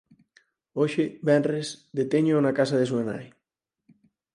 Hoxe, venres, detéñoo na casa de súa nai.